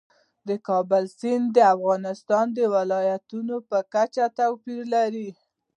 د کابل سیند د افغانستان د ولایاتو په کچه توپیر لري.